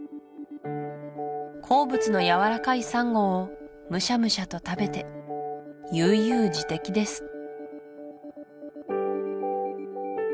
好物のやわらかいサンゴをムシャムシャと食べて悠々自適です